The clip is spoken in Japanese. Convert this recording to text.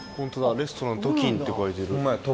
レストランときんって書いてる。